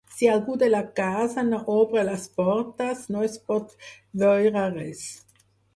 Si algú de la casa no obre les portes, no es pot veure res.